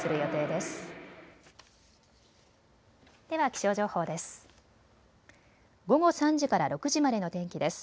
では気象情報です。